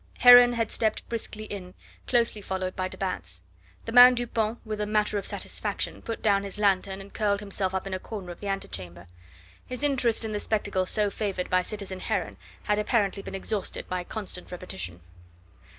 Heron had stepped briskly in, closely followed by de Batz. The man Dupont with a mutter of satisfaction put down his lanthorn and curled himself up in a corner of the antechamber. His interest in the spectacle so favoured by citizen Heron had apparently been exhausted by constant repetition.